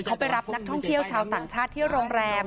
เขาไปรับนักท่องเที่ยวชาวต่างชาติที่โรงแรม